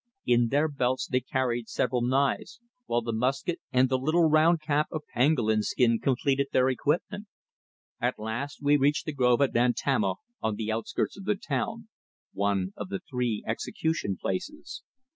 In their belts they carried several knives, while the musket and the little round cap of pangolin skin completed their equipment. At last we reached the grove at Bantama on the out skirts of the town, one of the three execution places.